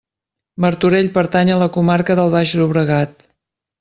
Martorell pertany a la comarca del Baix Llobregat.